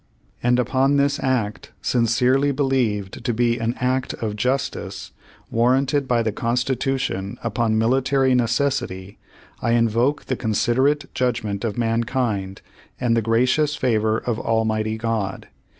"And upon this act, sincerely believed to be an act of justice, warranted by the Constitution upon military neces sity, I invoke the considerate judgment of mankind, and the gracious favor of Almighty God.